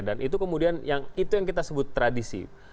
dan itu kemudian yang kita sebut tradisi